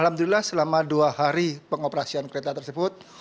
alhamdulillah selama dua hari pengoperasian kereta tersebut